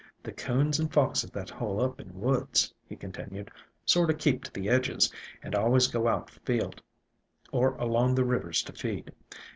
"The coons and foxes that hole up in woods," he continued, "sort of keep to the edges, and al ways go out field or along the rivers to feed.